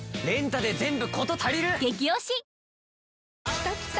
きたきた！